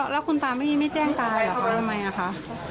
แล้วคุณตาไม่ได้แจ้งตายหรือเปล่าทำไมล่ะค่ะ